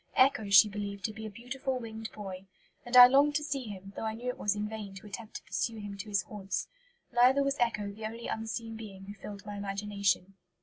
Echo she believed to be a beautiful winged boy; "and I longed to see him, though I knew it was in vain to attempt to pursue him to his haunts; neither was Echo the only unseen being who filled my imagination."